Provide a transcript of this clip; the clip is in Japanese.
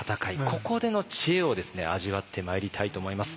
ここでの知恵をですね味わってまいりたいと思います。